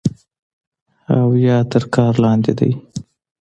او يا تر كار لاندې دی